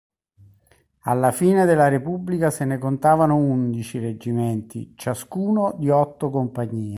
Alla fine della Repubblica se ne contavano undici reggimenti, ciascuno di otto compagnie.